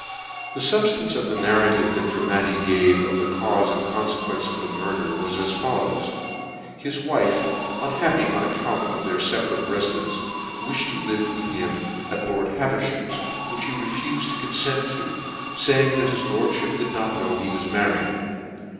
The fubftance of the narrative that Dramatti gave of the caule and consequence of the murder was as follows : His wife, unhappy on account of their feparate refidence, vilhed to live with him at lord Haverfham's, \\h\ch he rcfufed to confent to, faying that his lorclfhip did not know he was married.